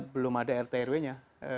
belum ada rtrw nya